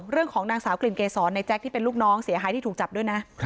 เรื่องของนางสาวกลิ่นเกษรในแจ๊คที่เป็นลูกน้องเสียหายที่ถูกจับด้วยนะ